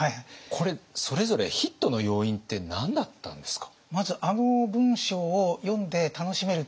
これそれぞれヒットの要因って何だったんですか？